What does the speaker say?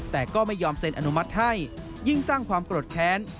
แต่ก็ไม่ยอมเซ็นอนุมัติให้ยิ่งสร้างความโกรธแค้น